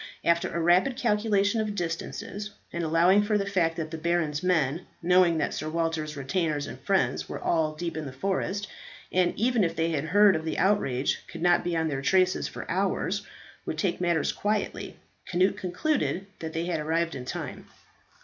After a rapid calculation of distances, and allowing for the fact that the baron's men knowing that Sir Walter's retainers and friends were all deep in the forest, and even if they heard of the outrage could not be on their traces for hours would take matters quietly, Cnut concluded that they had arrived in time.